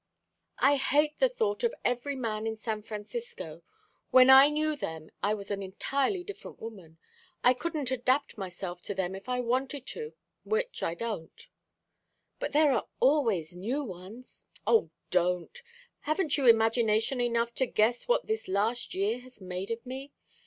"I hate the thought of every man in San Francisco. When I knew them, I was an entirely different woman. I couldn't adapt myself to them if I wanted to which I don't." "But there are always new ones " "Oh, don't! Haven't you imagination enough to guess what this last year has made of me?